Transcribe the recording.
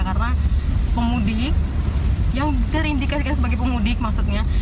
karena pemudik yang diindikasikan sebagai pemudik maksudnya